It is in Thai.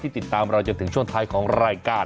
ติดตามเราจนถึงช่วงท้ายของรายการ